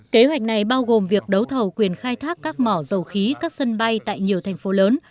kế hoạch này bao gồm việc đấu thầu quyền khai thác các mỏ dầu khí các sân bay tại nhiều thành phố lớn